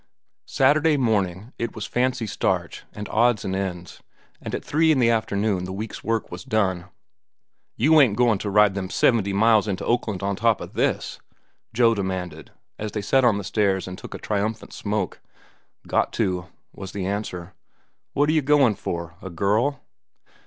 Saturday morning it was "fancy starch," and odds and ends, and at three in the afternoon the week's work was done. "You ain't a goin' to ride them seventy miles into Oakland on top of this?" Joe demanded, as they sat on the stairs and took a triumphant smoke. "Got to," was the answer. "What are you goin' for?—a girl?"